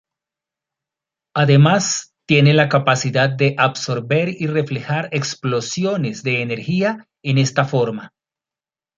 Además, tiene la capacidad de absorber y reflejar explosiones de energía en esta forma.